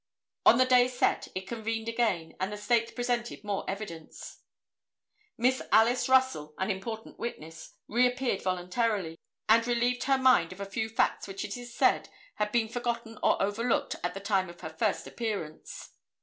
On the day set, it convened again and the State presented more evidence. Miss Alice Russell, an important witness, reappeared voluntarily, and relieved her mind of a few facts which it is said, had been forgotten or overlooked at the time of her first appearance.